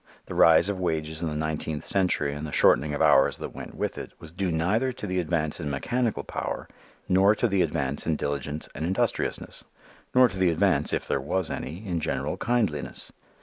The rise of wages in the nineteenth century and the shortening of hours that went with it was due neither to the advance in mechanical power nor to the advance in diligence and industriousness, nor to the advance, if there was any, in general kindliness.